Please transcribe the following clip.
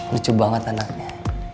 lucu banget anaknya